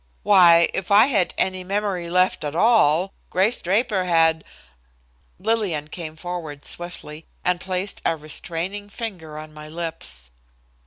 Why, if I had any memory left at all, Grace Draper had Lillian came forward swiftly and placed a restraining finger on my lips.